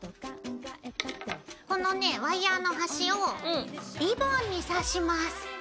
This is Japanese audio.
このねワイヤーの端をリボンに刺します。